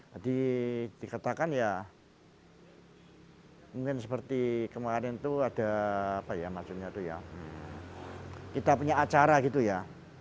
jadi dikatakan ya mungkin seperti kemarin itu ada apa ya maksudnya itu ya kita punya acara gitu ya